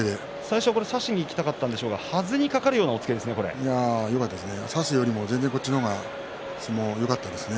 最初差しにいきたかったんですがはずにかかるような押っつけでしたね。